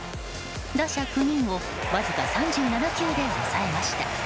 打者９人をわずか３７球で押さえました。